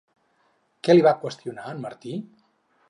Què li va qüestionar en Martí?